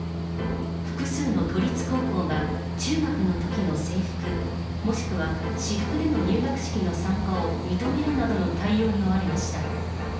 複数の都立高校が、中学のときの制服、もしくは私服での入学式の参加を認めるなどの対応に追われました。